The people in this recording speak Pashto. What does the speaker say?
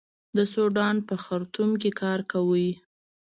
د سوډان په خرتوم کې کار کاوه.